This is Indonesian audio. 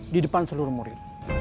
di depan seluruh murid